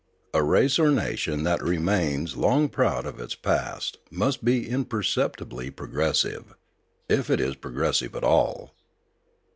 A race or nation that remains long proud of its past must be but imperceptibly progressive, if it is pro gressive at all.